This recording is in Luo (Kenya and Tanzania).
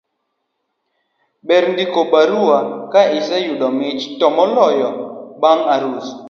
ber ndiko barua ka iseyudo mich to moloyo bang' arus